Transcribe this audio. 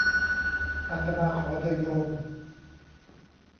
อาตมาขอเถอะโยม